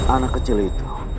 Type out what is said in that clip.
anak kecil itu